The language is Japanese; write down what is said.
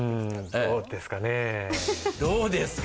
どうですか？